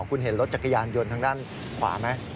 คุณเห็นรถจักรยานยนต์ทางด้านขวาไหม